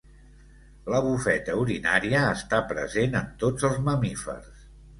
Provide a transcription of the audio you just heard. La bufeta urinària està present en tots els mamífers.